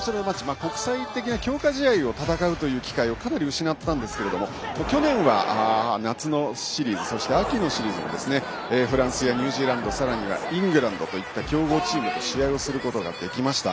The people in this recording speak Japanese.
国際的な強化試合を戦うという機会をかなり失ったんですが去年は夏のシーズン秋のシーズンもフランス、ニュージーランドさらにイングランドという強豪チームと試合をすることができました。